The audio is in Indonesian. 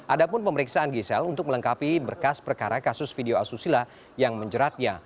ada pun pemeriksaan gisela untuk melengkapi berkas perkara kasus video asusila yang menjeratnya